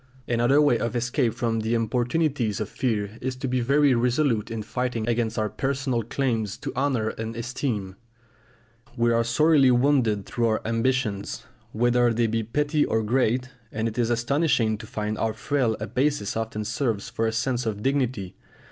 Another way of escape from the importunities of fear is to be very resolute in fighting against our personal claims to honour and esteem. We are sorely wounded through our ambitions, whether they be petty or great; and it is astonishing to find how frail a basis often serves for a sense of dignity.